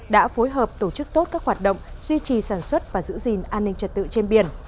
đã phối hợp tổ chức tốt các hoạt động duy trì sản xuất và giữ gìn an ninh trật tự trên biển